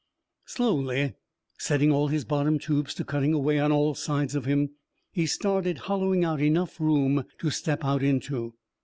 Slowly, setting all his bottom tubes to cutting away on all sides of him, he started hollowing out enough room to step out into.